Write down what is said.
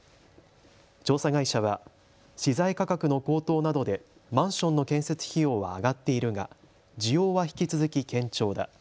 調査会社は資材価格の高騰などでマンションの建設費用は上がっているが需要は引き続き堅調だ。